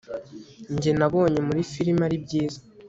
njye nabonye muri firime ari byiza